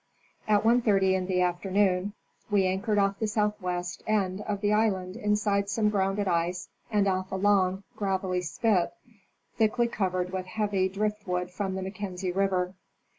At 1.30 in the afternoon we anchored off the southwest end of the island inside some grounded ice and off a long gravelly spit, thickly covered with heavy drift wood from the Mackenzie river.